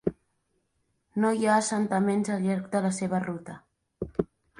No hi ha assentaments al llarg de la seva ruta.